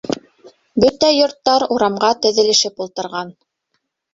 Бөтә йорттар урамға теҙелешеп ултырған.